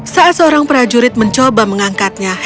saat seorang prajurit mencoba mengangkatnya